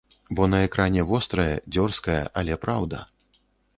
Бо на экране вострая, дзёрзкая, але праўда.